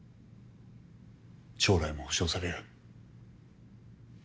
将来も保証される。